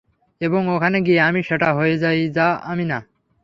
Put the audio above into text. এবং ওখানে গিয়ে আমি সেটা হয়ে যাই যা আমি না?